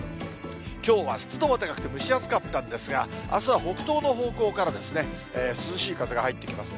きょうは湿度も高くて蒸し暑かったんですが、あすは北東の方向から、涼しい風が入ってきます。